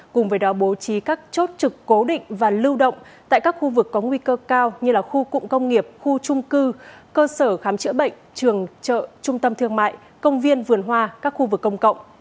cùng với đó bố trí các chốt trực cố định và lưu động tại các khu vực có nguy cơ cao như khu cụm công nghiệp khu trung cư cơ sở khám chữa bệnh trường chợ trung tâm thương mại công viên vườn hoa các khu vực công cộng